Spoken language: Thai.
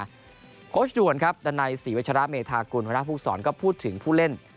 ขอบคุณคุณค่ะดันในสีวิชาระเมธากุลคุณพุทธศรก็พูดถึงผู้เล่น